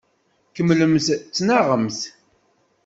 Kemmlemt ttnaɣemt.